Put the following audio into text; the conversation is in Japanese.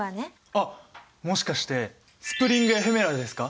あっもしかしてスプリング・エフェメラルですか？